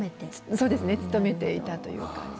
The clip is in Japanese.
そうですね努めていたという感じで。